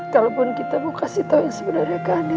kalaupun kita mau kasih tau yang sebenarnya ke andi